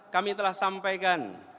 kami telah sampaikan